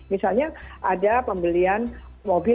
misalnya ada pembelian mobil